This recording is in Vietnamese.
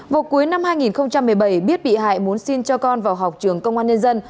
vào cuối năm hai nghìn một mươi bảy biết bị hại muốn xin cho con vào học trường công an nhân dân